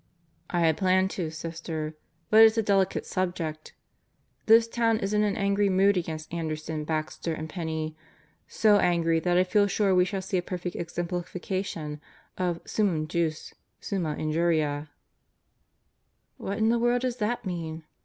"I had planned to, Sister. But it's a delicate subject. This town is in an angry mood against Anderson, Baxter, and Penney; so angry that I feel sure we shall see a perfect exemplification of summum jus, summa injuria" "What in the world does that mean?"